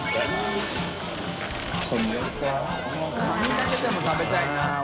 カニだけでも食べたいな俺。